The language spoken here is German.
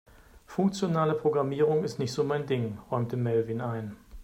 Funktionale Programmierung ist nicht so mein Ding, räumte Melvin ein.